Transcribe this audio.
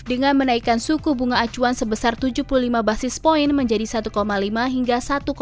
dengan menaikkan suku bunga acuan sebesar tujuh puluh lima basis point menjadi satu lima hingga satu lima